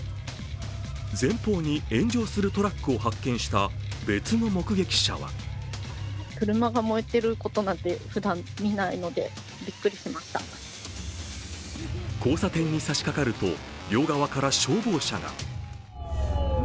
前方に炎上するトラックを発見した別の目撃者は交差点に差しかかると両側から消防車が。